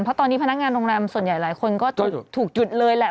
เพราะตอนนี้พนักงานโรงแรมส่วนใหญ่หลายคนก็ถูกหยุดเลยแหละ